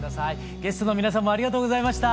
ゲストの皆さんもありがとうございました。